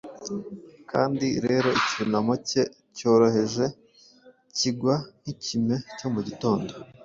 Kandi rero icyunamo cye cyoroheje kigwa nk'ikime cyo mu gitondo: